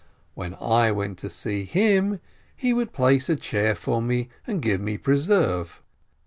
When 7 went to see him, he would place a chair for me, and give me preserve.